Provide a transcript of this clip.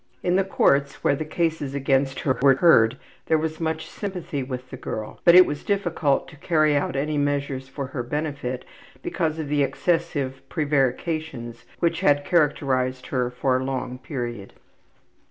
'' In the courts where the cases against her were heard there was much sympathy with the girl, but it was difficult to carry out any measures for her benefit because of the excessive prevarications which had characterized her for a long period.